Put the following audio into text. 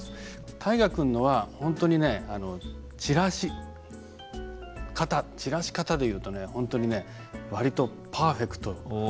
大河君のは本当にね散らし方散らし方でいうと本当にね割とパーフェクトに。